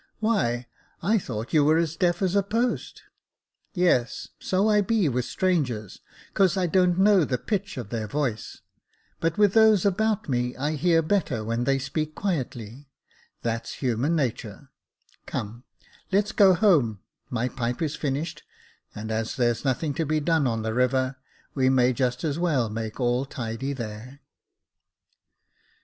" Why, I thought you were as deaf as a post." " Yes, so I be with strangers, 'cause I don't know the pitch of their voice ; but with those about me I hear better when they speak quietly — that's human natur. Come, let's go home, my pipe is finished, and as there's nothing to be done on the river, we may just as well make all tidy there."